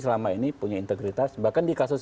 selama ini punya integritas bahkan di kasus